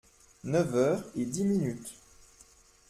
Neuf heures et dix minutes.